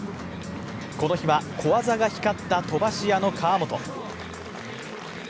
この日は小技が光った飛ばし屋の河本。